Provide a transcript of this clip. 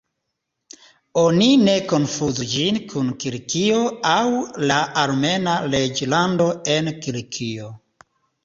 Oni ne konfuzu ĝin kun Kilikio aŭ la Armena reĝlando en Kilikio.